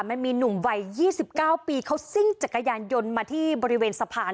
มันมีหนุ่มวัย๒๙ปีเขาซิ่งจักรยานยนต์มาที่บริเวณสะพาน